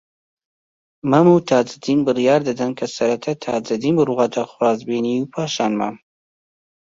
مەم و تاجدین بڕیار دەدەن کە سەرەتا تاجدین بڕواتە خوازبێنیی و پاشان مەم